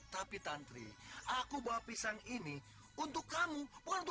tapi tantri aku bawa pisang ini untuk kamu